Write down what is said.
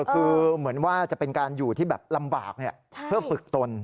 คือเหมือนว่าจะเป็นการอยู่ที่แบบลำบากเพื่อฝึกตน